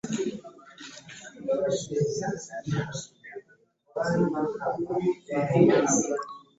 omusajja yeyabanga ateddwa okwogeera yekka mu nnyumba